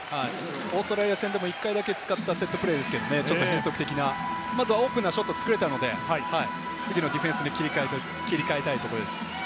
オーストラリア戦でも１回だけ使ったセットプレーですけれども、ちょっと変則的な、まずはオープンなショットを作れたので、次のディフェンスに切り替えたいところです。